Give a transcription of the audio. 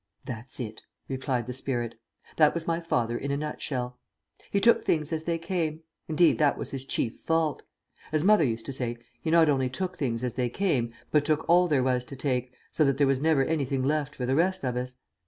"That's it," replied the spirit. "That was my father in a nut shell. He took things as they came indeed that was his chief fault. As mother used to say, he not only took things as they came, but took all there was to take, so that there was never anything left for the rest of us.